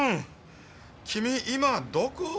君今どこ？